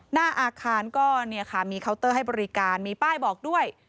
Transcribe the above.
หน้าอาคารก็เนี่ยค่ะมีเคาน์เตอร์ให้บริการมีป้ายบอกด้วย